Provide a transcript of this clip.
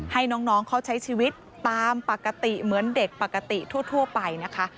ให้น้องเขาใช้ชีวิตตามปกติเหมือนเด็กปกติทั่วไปนะคะ